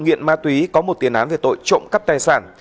nghiện ma túy có một tiền án về tội trộm cắp tài sản